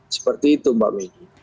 seperti itu mbak migi